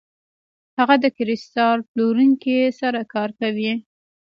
هغه د کریستال پلورونکي سره کار کوي.